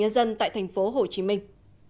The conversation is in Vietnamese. nhân dân tại thành phố hồ chí minh